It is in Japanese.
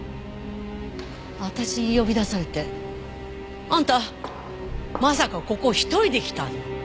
私に呼び出されてあんたまさかここ１人で来たの？